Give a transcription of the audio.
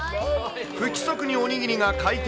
不規則におにぎりが回転。